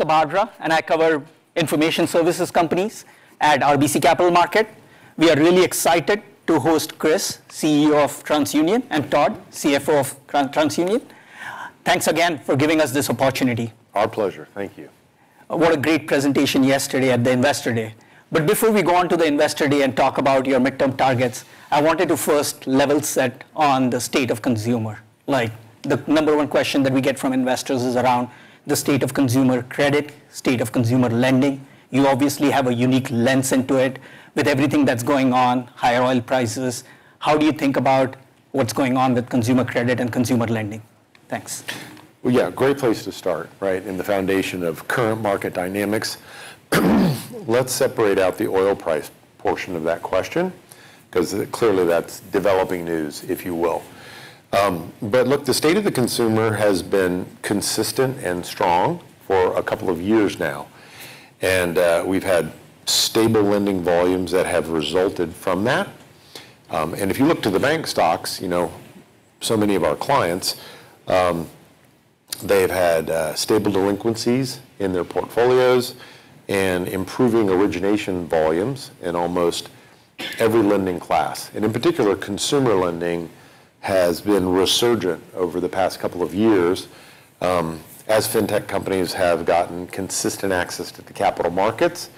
Ashish Sabadra, and I cover information services companies at RBC Capital Markets. We are really excited to host Chris, CEO of TransUnion, and Todd, CFO of TransUnion. Thanks again for giving us this opportunity. Our pleasure. Thank you. What a great presentation yesterday at the Investor Day. Before we go on to the Investor Day and talk about your midterm targets, I wanted to first level set on the state of consumer. Like, the number one question that we get from investors is around the state of consumer credit, state of consumer lending. You obviously have a unique lens into it. With everything that's going on, higher oil prices, how do you think about what's going on with consumer credit and consumer lending? Thanks. Well, yeah, great place to start, right? In the foundation of current market dynamics. Let's separate out the oil price portion of that question, 'cause, clearly that's developing news, if you will. Look, the state of the consumer has been consistent and strong for a couple of years now. We've had stable lending volumes that have resulted from that. If you look to the bank stocks, so many of our clients, they've had stable delinquencies in their portfolios and improving origination volumes in almost every lending class. In particular, consumer lending has been resurgent over the past couple of years, as fintech companies have gotten consistent access to the capital markets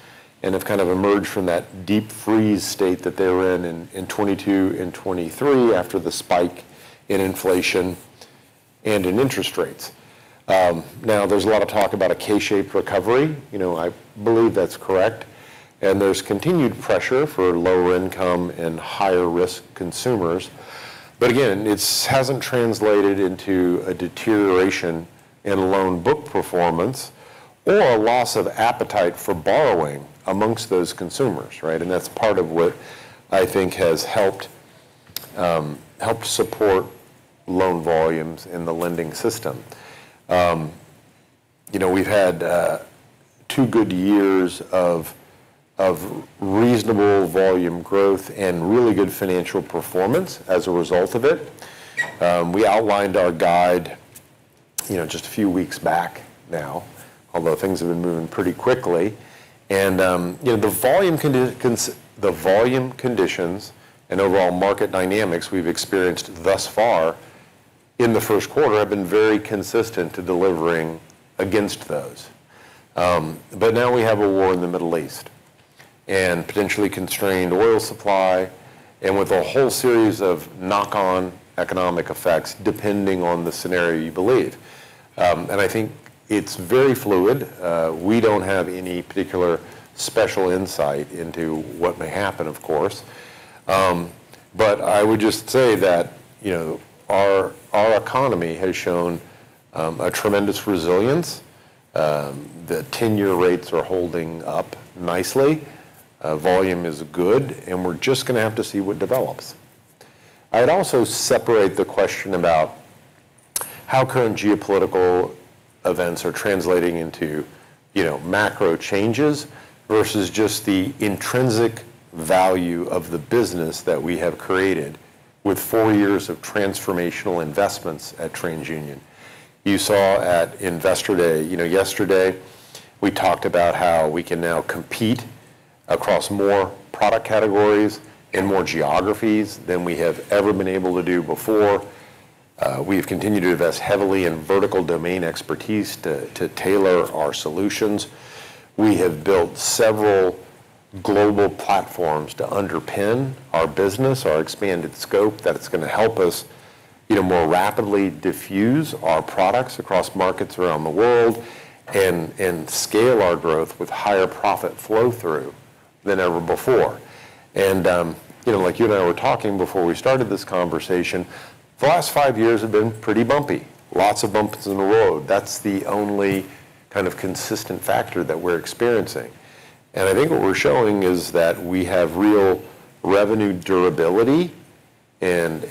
and have kind of emerged from that deep freeze state that they were in in 2022 and 2023 after the spike in inflation and in interest rates. Now there's a lot of talk about a K-shaped recovery. I believe that's correct. There's continued pressure for lower income and higher risk consumers. But again, it hasn't translated into a deterioration in loan book performance or a loss of appetite for borrowing among those consumers, right? That's part of what I think has helped support loan volumes in the lending system. We've had two good years of reasonable volume growth and really good financial performance as a result of it. We outlined our guide just a few weeks back now, although things have been moving pretty quickly. You know, the volume conditions and overall market dynamics we've experienced thus far in the first quarter have been very consistent to delivering against those. Now we have a war in the Middle East and potentially constrained oil supply, and with a whole series of knock-on economic effects, depending on the scenario you believe. I think it's very fluid. We don't have any particular special insight into what may happen, of course. I would just say that our economy has shown a tremendous resilience. The tenure rates are holding up nicely. Volume is good, and we're just gonna have to see what develops. I'd also separate the question about how current geopolitical events are translating into, you know, macro changes versus just the intrinsic value of the business that we have created with four years of transformational investments at TransUnion. You saw at Investor Day, you know, yesterday we talked about how we can now compete across more product categories and more geographies than we have ever been able to do before. We have continued to invest heavily in vertical domain expertise to tailor our solutions. We have built several global platforms to underpin our business, our expanded scope that it's gonna help us more rapidly diffuse our products across markets around the world and scale our growth with higher profit flow through than ever before. Like you and I were talking before we started this conversation, the last five years have been pretty bumpy. Lots of bumps in the road. That's the only kind of consistent factor that we're experiencing. I think what we're showing is that we have real revenue durability and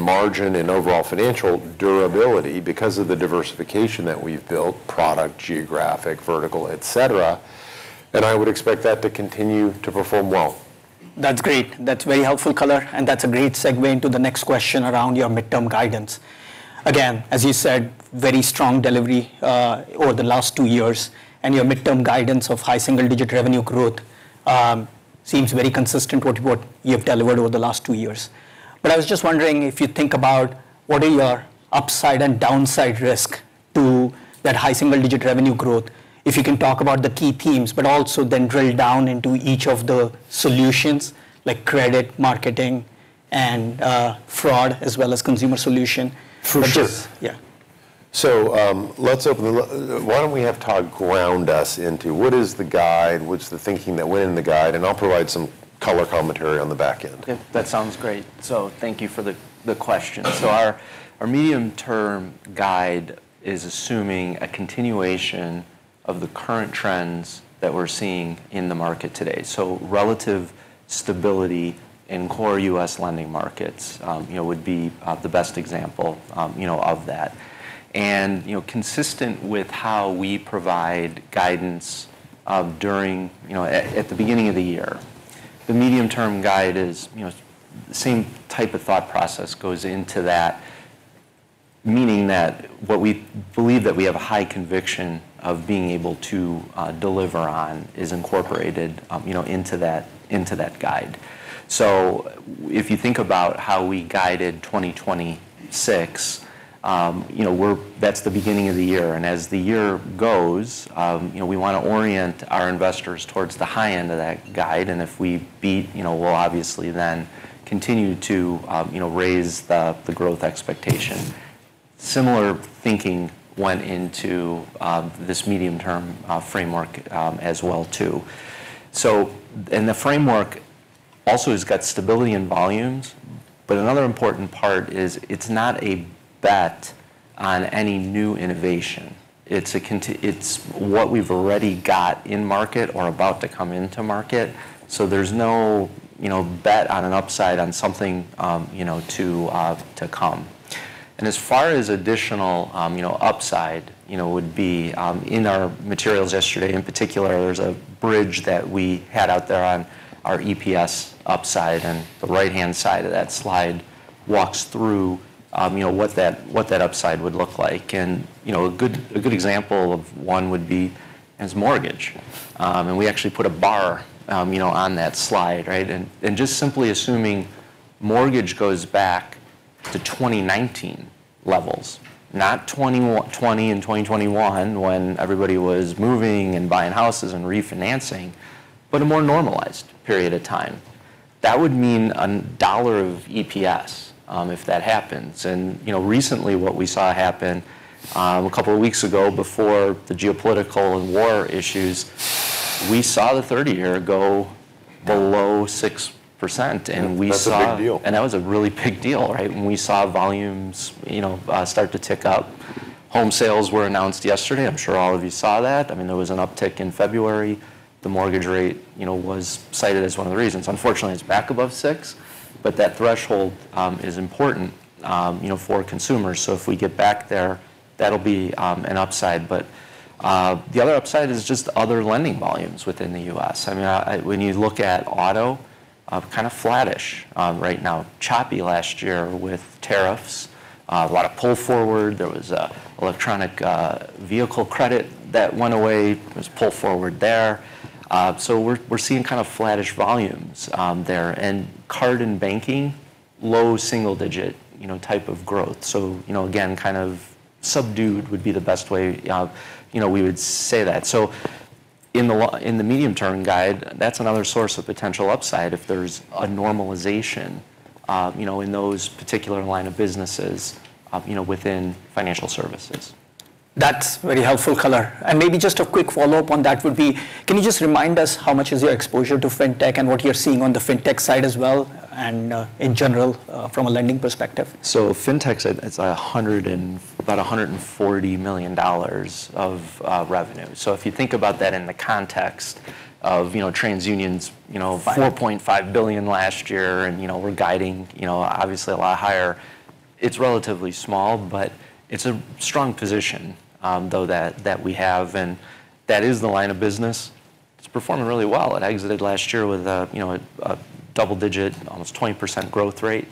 margin and overall financial durability because of the diversification that we've built, product, geographic, vertical, et cetera. I would expect that to continue to perform well. That's great. That's very helpful color, and that's a great segue into the next question around your midterm guidance. Again, as you said, very strong delivery over the last two years, and your midterm guidance of high single-digit revenue growth seems very consistent with what you have delivered over the last two years. I was just wondering if you think about what are your upside and downside risk to that high single-digit revenue growth. If you can talk about the key themes, but also then drill down into each of the solutions like credit, marketing, and fraud, as well as consumer solution. Why don't we have Todd ground us into what is the guide, what's the thinking that went in the guide, and I'll provide some color commentary on the back end.. That sounds great. Thank you for the question. Our medium-term guide is assuming a continuation of the current trends that we're seeing in the market today. Relative stability in core U.S. lending markets would be the best example of that. Consistent with how we provide guidance during the beginning of the year. The medium-term guide is the same type of thought process goes into that. Meaning that what we believe that we have a high conviction of being able to deliver on is incorporated into that guide. If you think about how we guided 2026, we're. That's the beginning of the year. As the year goes, we want to orient our investors towards the high end of that guide, and if we beat, we'll obviously then continue to, you know, raise the growth expectation. Similar thinking went into this medium-term framework as well too. In the framework also has got stability in volumes. Another important part is it's not a bet on any new innovation. It's what we've already got in market or about to come into market. There's no bet on an upside on something, you know, to come. As far as additional, you know, upside, would be in our materials yesterday, in particular, there's a bridge that we had out there on our EPS upside, and the right-hand side of that slide walks through, what that upside would look like. You know, a good example of one would be mortgage. We actually put a bar, you know, on that slide, right? Just simply assuming mortgage goes back to 2019 levels. Not 2020 and 2021 when everybody was moving and buying houses and refinancing, but a more normalized period of time. That would mean $1 of EPS, if that happens. You know, recently what we saw happen a couple of weeks ago before the geopolitical and war issues, we saw the 30-year go below 6%. That's a big deal. That was a really big deal, right? We saw volumes start to tick up. Home sales were announced yesterday. I'm sure all of you saw that. I mean, there was an uptick in February. The mortgage rate, you know, was cited as one of the reasons. Unfortunately, it's back above 6%, but that threshold is important, you know, for consumers. So if we get back there, that'll be an upside. But the other upside is just other lending volumes within the U.S. I mean, when you look at auto, kind of flattish right now. Choppy last year with tariffs. A lot of pull forward. There was electric vehicle credit that went away. There was pull forward there. So we're seeing kind of flattish volumes there. Card and banking, low single-digit, you know, type of growth. Again, kind of subdued would be the best way, you know, we would say that. In the medium-term guide, that's another source of potential upside if there's a normalization, in those particular line of businesses, you know, within financial services. That's very helpful color. Maybe just a quick follow-up on that would be, can you just remind us how much is your exposure to Fintech, and what you're seeing on the Fintech side as well, and, in general, from a lending perspective? Fintech's at about $140 million of revenue. If you think about that in the context of, TransUnion's $4.5 billion last year, and, you know, we're guiding, obviously a lot higher, it's relatively small, but it's a strong position though that we have, and that is the line of business. It's performing really well. It exited last year with a double-digit, almost 20% growth rate.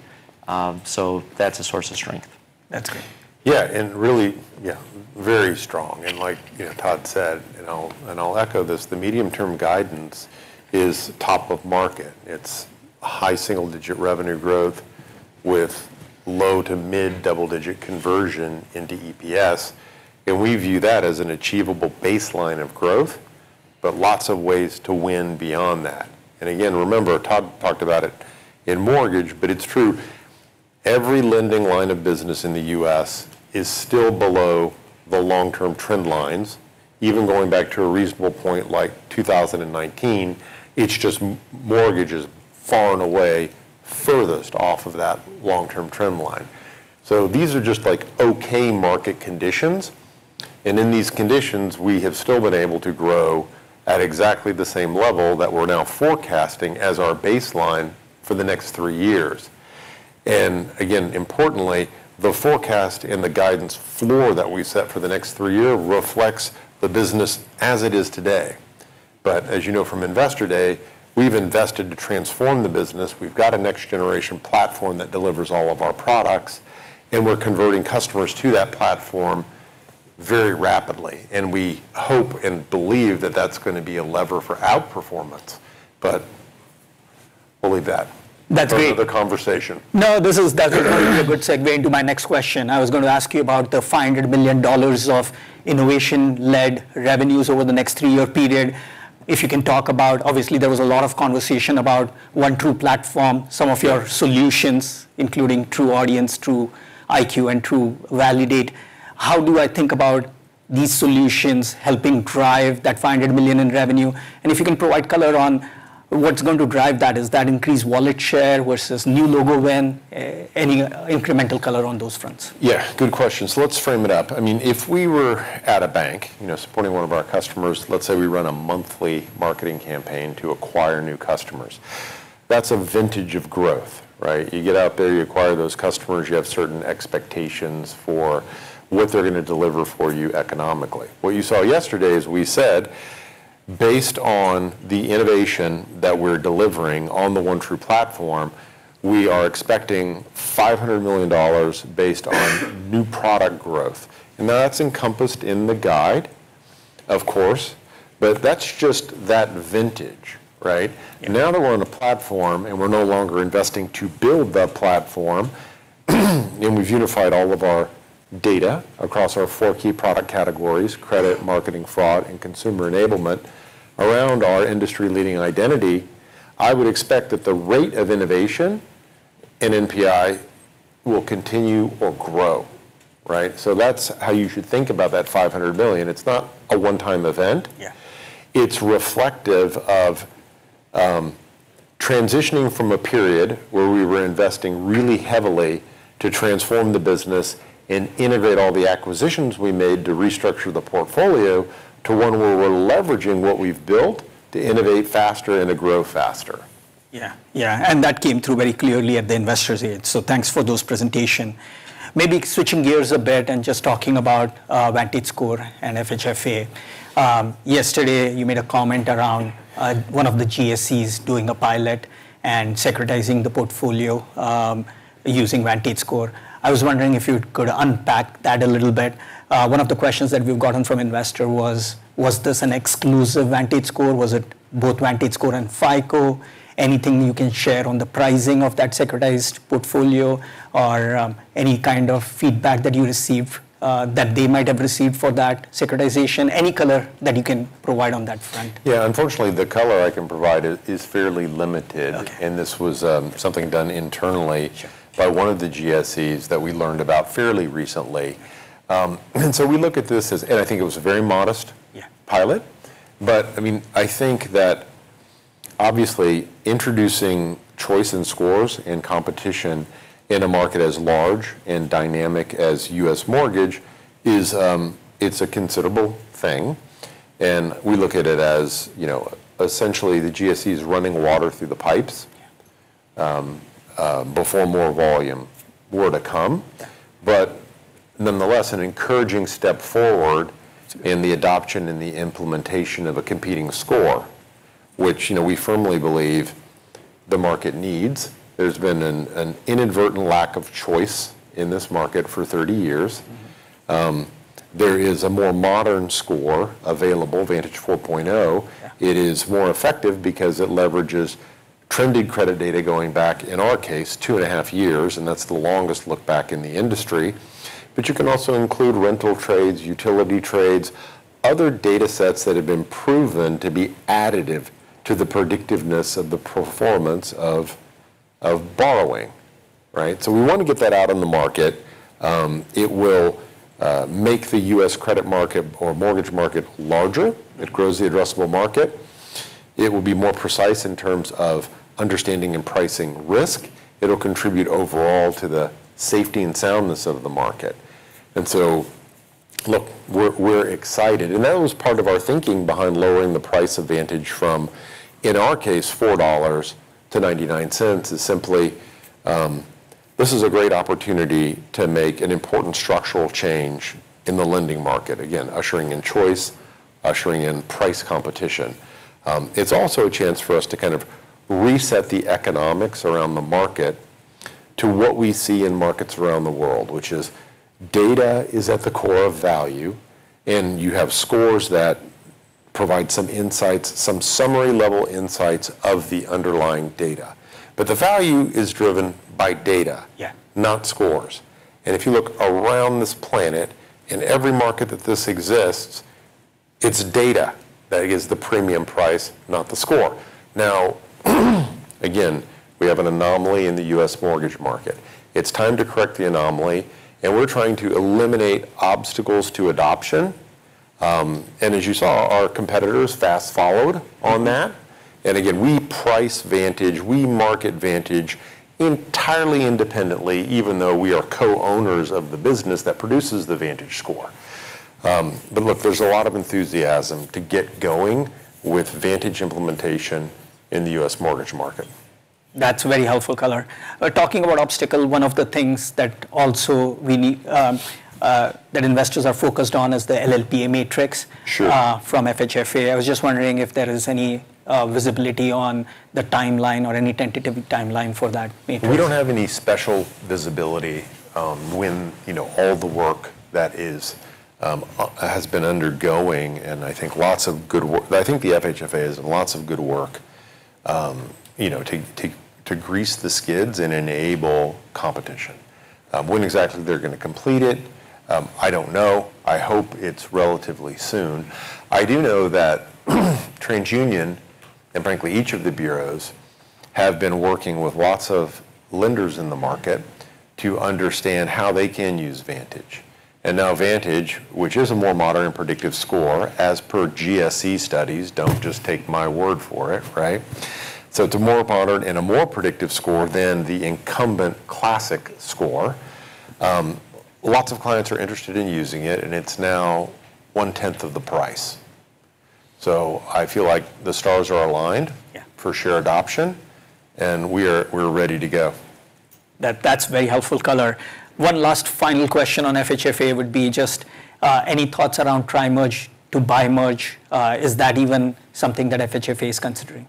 So that's a source of strength. That's great. Yeah. Really, yeah, very strong. Like, you know, Todd said, and I'll echo this, the medium-term guidance is top of market. It's high single-digit revenue growth with low to mid double-digit conversion into EPS. We view that as an achievable baseline of growth, but lots of ways to win beyond that. Again, remember, Todd talked about it in mortgage, but it's true. Every lending line of business in the U.S. is still below the long-term trend lines. Even going back to a reasonable point like 2019, it's just mortgage is far and away furthest off of that long-term trend line. These are just like okay market conditions, and in these conditions, we have still been able to grow at exactly the same level that we're now forecasting as our baseline for the next three years. Again, importantly, the forecast and the guidance floor that we set for the next three year reflects the business as it is today. As you know from Investor Day, we've invested to transform the business. We've got a next generation platform that delivers all of our products, and we're converting customers to that platform very rapidly. We hope and believe that that's gonna be a lever for outperformance. That's great. Part of the conversation. No, this is definitely a good segue into my next question. I was gonna ask you about the $500 million of innovation-led revenues over the next three-year period. If you can talk about, obviously, there was a lot of conversation about the OneTru platform, some of your solutions, including TruAudience, TruIQ, and TruValidate. How do I think about these solutions helping drive that $500 million in revenue? If you can provide color on what's going to drive that. Is that increased wallet share versus new logo win? Any incremental color on those fronts. Yeah, good question. Let's frame it up. I mean, if we were at a bank, you know, supporting one of our customers. Let's say we run a monthly marketing campaign to acquire new customers. That's a vintage of growth, right? You get out there, you acquire those customers, you have certain expectations for what they're gonna deliver for you economically. What you saw yesterday is we said, based on the innovation that we're delivering on the OneTru platform, we are expecting $500 million based on new product growth. That's encompassed in the guide, of course, but that's just that vintage, right? Now that we're on a platform, and we're no longer investing to build that platform, and we've unified all of our data across our four key product categories, credit, marketing, fraud, and consumer enablement around our industry-leading identity, I would expect that the rate of innovation in NPI will continue or grow, right? That's how you should think about that $500 million. It's not a one-time event. Yeah. It's reflective of transitioning from a period where we were investing really heavily to transform the business and integrate all the acquisitions we made to restructure the portfolio to one where we're leveraging what we've built to innovate faster and to grow faster. Yeah. Yeah. That came through very clearly at the investors' end. Thanks for those presentation. Maybe switching gears a bit and just talking about VantageScore and FHFA. Yesterday you made a comment around one of the GSEs doing a pilot and securitizing the portfolio using VantageScore. I was wondering if you could unpack that a little bit. One of the questions that we've gotten from investor was this an exclusive VantageScore? Was it both VantageScore and FICO? Anything you can share on the pricing of that securitized portfolio or any kind of feedback that you received that they might have received for that securitization? Any color that you can provide on that front. Yeah. Unfortunately, the color I can provide is fairly limited. Okay. This was something done internally by one of the GSEs that we learned about fairly recently. We look at this as. I think it was a very modest. Yeah pilot. I mean, I think that obviously introducing choice in scores and competition in a market as large and dynamic as U.S. mortgage is, it's a considerable thing, and we look at it as, you know, essentially the GSEs running water through the pipes before more volume were to come. Nonetheless, an encouraging step forward in the adoption and the implementation of a competing score, which, you know, we firmly believe the market needs. There's been an inadvertent lack of choice in this market for 30 years. There is a more modern score available, VantageScore 4.0. It is more effective because it leverages trended credit data going back, in our case, two and a half years, and that's the longest look back in the industry. You can also include rental trades, utility trades, other datasets that have been proven to be additive to the predictiveness of the performance of borrowing, right? We want to get that out in the market. It will make the U.S. credit market or mortgage market larger. It grows the addressable market. It will be more precise in terms of understanding and pricing risk. It'll contribute overall to the safety and soundness of the market. Look, we're excited. That was part of our thinking behind lowering the price of Vantage from, in our case, $4 to $0.99, is simply this is a great opportunity to make an important structural change in the lending market. Again, ushering in choice, ushering in price competition. It's also a chance for us to kind of reset the economics around the market to what we see in markets around the world, which is data is at the core of value, and you have scores that provide some insights, some summary-level insights of the underlying data. The value is driven by data not scores. If you look around this planet, in every market that this exists, it's data that gets the premium price, not the score. Now, again, we have an anomaly in the U.S. mortgage market. It's time to correct the anomaly, and we're trying to eliminate obstacles to adoption. As you saw, our competitors fast-followed on that. Again, we price Vantage, we market Vantage entirely independently, even though we are co-owners of the business that produces the Vantage score. Look, there's a lot of enthusiasm to get going with Vantage implementation in the U.S. mortgage market. That's a very helpful color. Talking about obstacle, one of the things that also we need, that investors are focused on is the LLPA matrix. Sure from FHFA. I was just wondering if there is any visibility on the timeline or any tentative timeline for that matrix? We don't have any special visibility on when, you know, all the work that has been undergoing, and I think lots of good work. But I think the FHFA has lots of good work, you know, to grease the skids and enable competition. When exactly they're gonna complete it, I don't know. I hope it's relatively soon. I do know that TransUnion and frankly, each of the bureaus, have been working with lots of lenders in the market to understand how they can use Vantage. Now Vantage, which is a more modern and predictive score, as per GSE studies, don't just take my word for it, right? It's a more modern and a more predictive score than the incumbent classic score. Lots of clients are interested in using it, and it's now one-tenth of the price. I feel like the stars are aligned. Yeah for shared option, we're ready to go. That's very helpful color. One last final question on FHFA would be just any thoughts around tri-merge to bi-merge? Is that even something that FHFA is considering?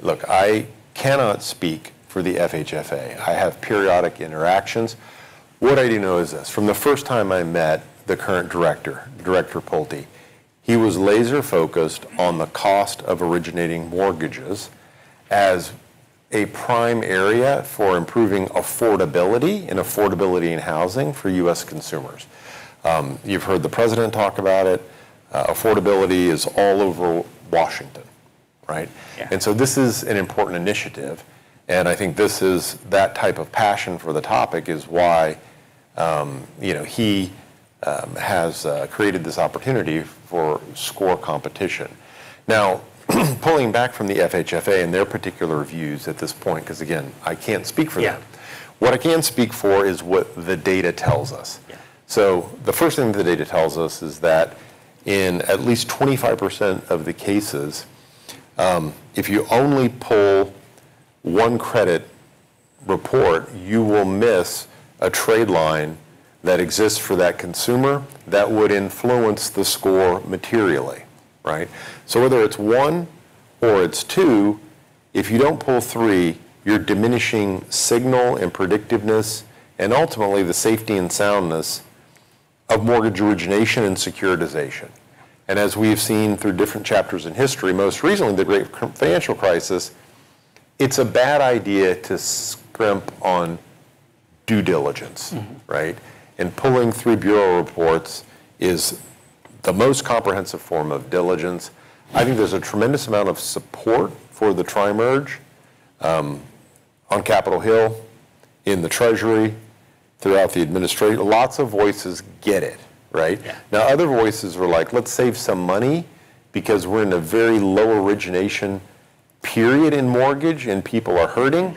Look, I cannot speak for the FHFA. I have periodic interactions. What I do know is this. From the first time I met the current director, Director Pulte, he was laser-focused on the cost of originating mortgages as a prime area for improving affordability in housing for U.S. consumers. You've heard the president talk about it. Affordability is all over Washington, right? Yeah. This is an important initiative, and I think that type of passion for the topic is why, you know, he has created this opportunity for SCORE competition. Now, pulling back from the FHFA and their particular views at this point, 'cause again, I can't speak for them. Yeah. What I can speak for is what the data tells us. Yeah. The first thing the data tells us is that in at least 25% of the cases, if you only pull one credit report, you will miss a trade line that exists for that consumer that would influence the score materially, right? Whether it's one or it's two, if you don't pull three, you're diminishing signal and predictiveness and ultimately the safety and soundness of mortgage origination and securitization. As we've seen through different chapters in history, most recently the great financial crisis, it's a bad idea to scrimp on due diligence. Mm-hmm. Right? Pulling three bureau reports is the most comprehensive form of diligence. I think there's a tremendous amount of support for the tri-merge on Capitol Hill, in the Treasury, throughout the administration. Lots of voices get it, right? Yeah. Now, other voices were like, "Let's save some money because we're in a very low origination period in mortgage, and people are hurting."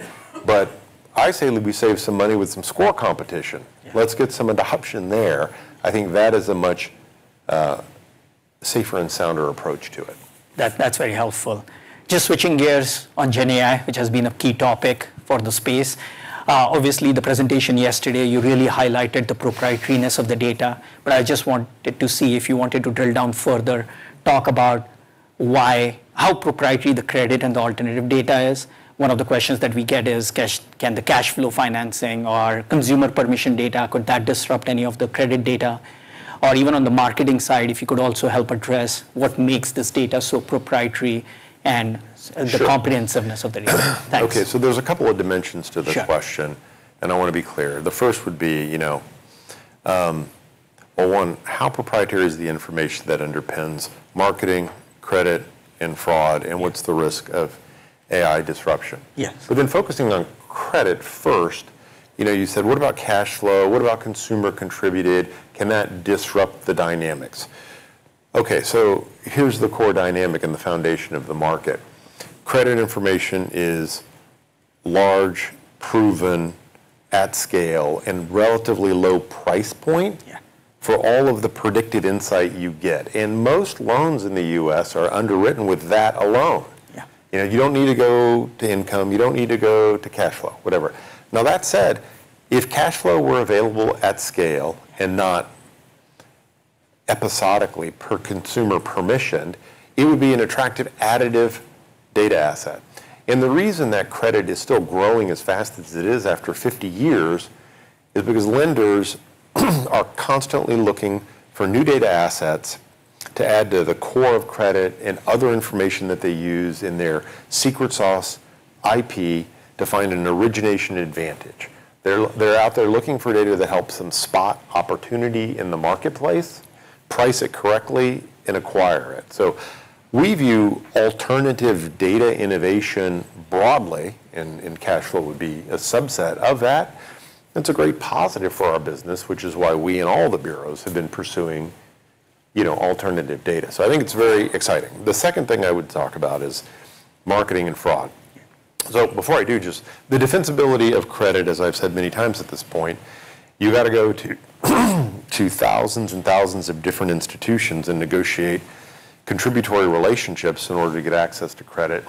I say that we save some money with some SCORE competition. Yeah. Let's get some adoption there. I think that is a much safer and sounder approach to it. That's very helpful. Just switching gears on GenAI, which has been a key topic for the space. Obviously, the presentation yesterday, you really highlighted the proprietariness of the data, but I just wanted to see if you wanted to drill down further, talk about why, how proprietary the credit and the alternative data is. One of the questions that we get is, can the cash flow financing or consumer permission data, could that disrupt any of the credit data? Or even on the marketing side, if you could also help address what makes this data so proprietary and Sure the comprehensiveness of the data. Thanks. Okay. There's a couple of dimensions to this question. Sure. I wanna be clear. The first would be, you know, well, one, how proprietary is the information that underpins marketing, credit, and fraud, and what's the risk of AI disruption? Yeah. Focusing on credit first, you know, you said, "What about cash flow? What about consumer contributed? Can that disrupt the dynamics?" Okay, here's the core dynamic and the foundation of the market. Credit information is large, proven, at scale, and relatively low price point. Yeah for all of the predicted insight you get. Most loans in the U.S. are underwritten with that alone. Yeah. You don't need to go to income, you don't need to go to cash flow, whatever. Now, that said, if cash flow were available at scale and not episodically per consumer permission, it would be an attractive additive data asset. The reason that credit is still growing as fast as it is after 50 years is because lenders are constantly looking for new data assets to add to the core of credit and other information that they use in their secret sauce IP to find an origination advantage. They're out there looking for data that helps them spot opportunity in the marketplace, price it correctly, and acquire it. We view alternative data innovation broadly, and cash flow would be a subset of that. It's a great positive for our business, which is why we and all the bureaus have been pursuing, you know, alternative data. I think it's very exciting. The second thing I would talk about is marketing and fraud. Before I do, just the defensibility of credit, as I've said many times at this point, you gotta go to thousands and thousands of different institutions and negotiate contributory relationships in order to get access to credit.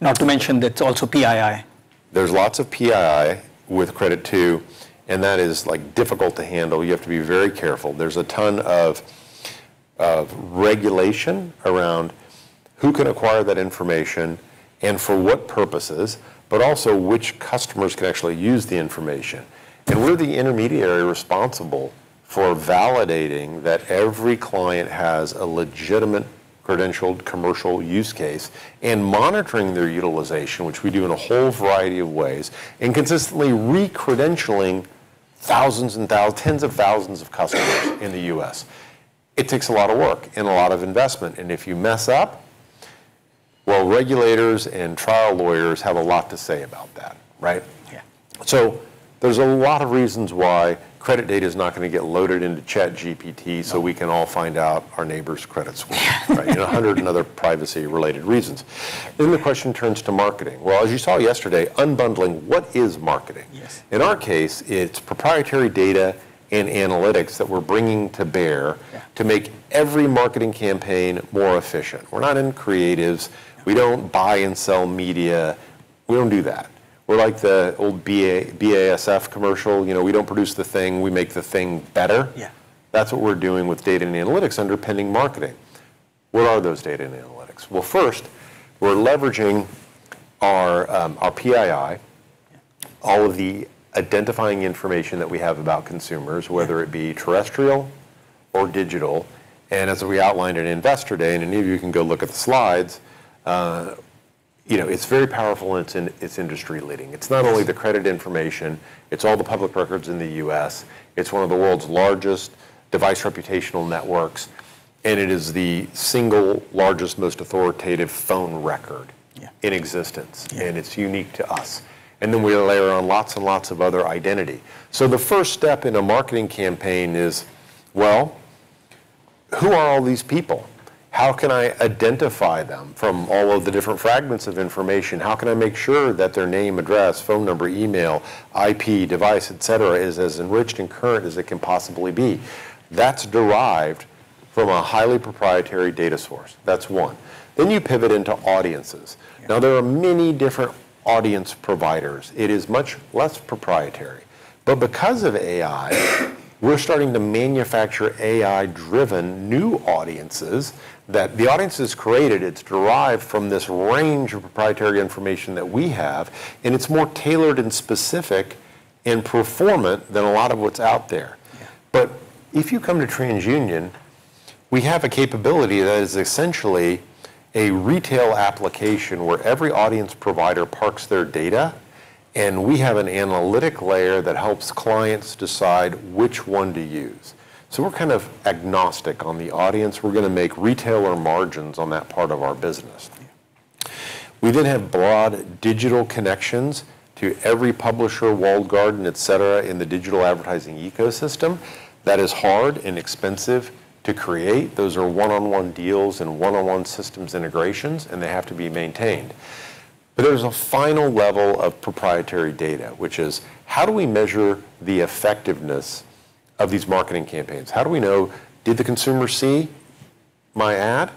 Not to mention that's also PII. There's lots of PII with credit too, and that is, like, difficult to handle. You have to be very careful. There's a ton of regulation around who can acquire that information and for what purposes, but also which customers can actually use the information. We're the intermediary responsible for validating that every client has a legitimate credentialed commercial use case and monitoring their utilization, which we do in a whole variety of ways, and consistently re-credentialing thousands and tens of thousands of customers in the US. It takes a lot of work and a lot of investment, and if you mess up, well, regulators and trial lawyers have a lot to say about that, right? Yeah. There's a lot of reasons why credit data is not gonna get loaded into ChatGPT, so we can all find out our neighbor's credit score. Right. 100 and other privacy related reasons. The question turns to marketing. Well, as you saw yesterday, unbundling what is marketing? Yes. In our case, it's proprietary data and analytics that we're bringing to bear to make every marketing campaign more efficient. We're not in creatives. We don't buy and sell media. We don't do that. We're like the old BASF commercial. You know, we don't produce the thing, we make the thing better. Yeah. That's what we're doing with data and analytics underpinning marketing. What are those data and analytics? Well, first, we're leveraging our PII. All of the identifying information that we have about consumers, whether it be terrestrial or digital. As we outlined at Investor Day, and any of you can go look at the slides, you know, it's very powerful and it's industry leading. It's not only. The credit information, it's all the public records in the U.S. It's one of the world's largest device reputational networks, and it is the single largest, most authoritative phone record in existence. It's unique to us. Then we layer on lots and lots of other identity. The first step in a marketing campaign is, well, who are all these people? How can I identify them from all of the different fragments of information? How can I make sure that their name, address, phone number, email, IP, device, et cetera, is as enriched and current as it can possibly be? That's derived from a highly proprietary data source. That's one. You pivot into audiences. Yeah. Now, there are many different audience providers. It is much less proprietary. because of AI, we're starting to manufacture AI-driven new audiences that. The audience is created, it's derived from this range of proprietary information that we have, and it's more tailored and specific and performant than a lot of what's out there. Yeah. If you come to TransUnion, we have a capability that is essentially a retail application where every audience provider parks their data and we have an analytic layer that helps clients decide which one to use. We're kind of agnostic on the audience. We're gonna make retailer margins on that part of our business. We then have broad digital connections to every publisher, walled garden, et cetera, in the digital advertising ecosystem that is hard and expensive to create. Those are one-on-one deals and one-on-one systems integrations, and they have to be maintained. There's a final level of proprietary data, which is how do we measure the effectiveness of these marketing campaigns? How do we know did the consumer see my ad?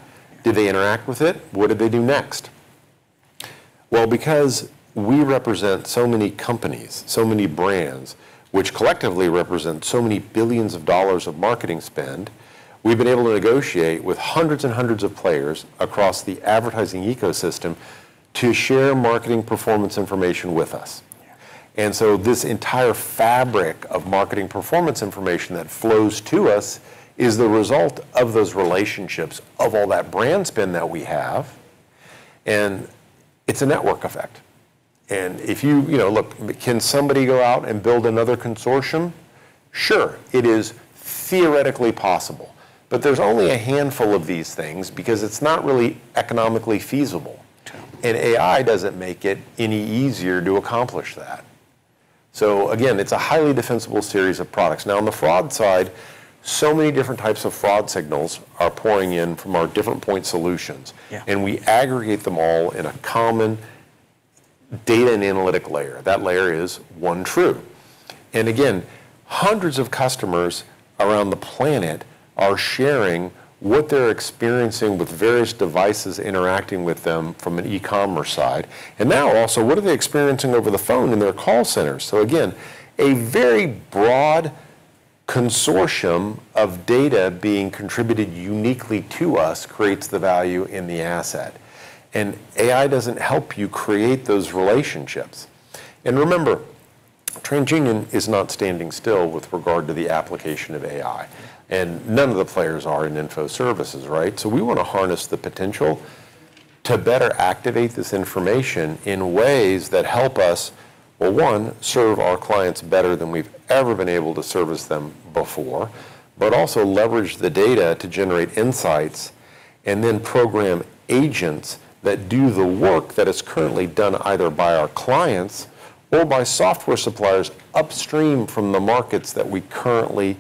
Did they interact with it? What did they do next? Well, because we represent so many companies, so many brands, which collectively represent so many billions of dollars of marketing spend, we've been able to negotiate with hundreds and hundreds of players across the advertising ecosystem to share marketing performance information with us. This entire fabric of marketing performance information that flows to us is the result of those relationships, of all that brand spend that we have, and it's a network effect. If you know, look, can somebody go out and build another consortium? Sure. It is theoretically possible, but there's only a handful of these things because it's not really economically feasible. AI doesn't make it any easier to accomplish that. Again, it's a highly defensible series of products. Now, on the fraud side, so many different types of fraud signals are pouring in from our different point solutions. We aggregate them all in a common data and analytic layer. That layer is OneTru. Again, hundreds of customers around the planet are sharing what they're experiencing with various devices interacting with them from an e-commerce side, and now also what are they experiencing over the phone in their call centers. Again, a very broad consortium of data being contributed uniquely to us creates the value in the asset. AI doesn't help you create those relationships. Remember, TransUnion is not standing still with regard to the application of AI, and none of the players are in info services, right? We wanna harness the potential to better activate this information in ways that help us, well, one, serve our clients better than we've ever been able to service them before, but also leverage the data to generate insights and then program agents that do the work that is currently done either by our clients or by software suppliers upstream from the markets that we currently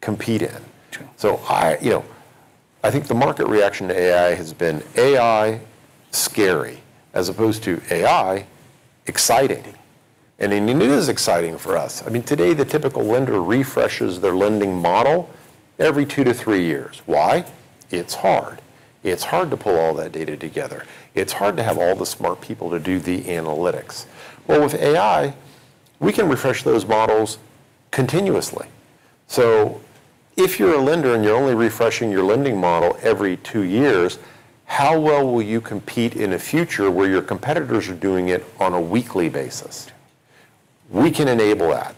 compete in. True. I, you know, I think the market reaction to AI has been AI scary, as opposed to AI exciting. It is exciting for us. I mean, today, the typical lender refreshes their lending model every 2-3 years. Why? It's hard. It's hard to pull all that data together. It's hard to have all the smart people to do the analytics. Well, with AI, we can refresh those models continuously. If you're a lender and you're only refreshing your lending model every 2 years, how well will you compete in a future where your competitors are doing it on a weekly basis? We can enable that,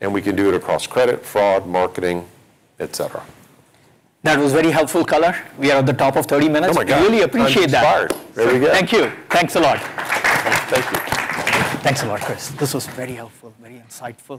and we can do it across credit, fraud, marketing, et cetera. That was very helpful, Chris. We are at the top of 30 minutes. Oh my God. We really appreciate that. I just started. Very good. Thank you. Thanks a lot. Thank you. Thanks a lot, Chris. This was very helpful, very insightful.